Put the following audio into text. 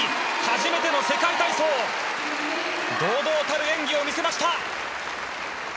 初めての世界体操堂々たる演技を見せました！